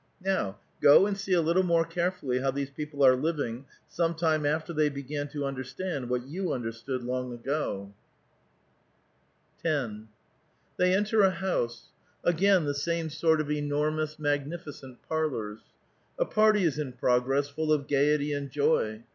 " Now go and see a little more carefully how these peo ple are living some time after they began to understand what you understood long ago." A VITAL QUESTION. 385 10. Tbey enter a house ; again the same sort of enormous, magnificent parlors. A party is in progress, full of gayety and joy.